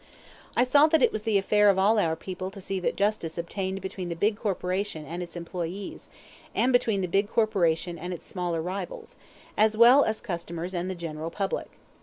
I saw that it was the affair of all our people to see that justice obtained between the big corporation and its employees, and between the big corporation and its smaller rivals, as well as its customers and the general public.